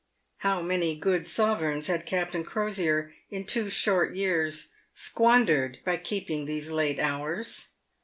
How many good sovereigns had Captain Crosier, in two short years, squandered by keeping these late hours